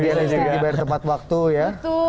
biar istri dibayar tempat waktu ya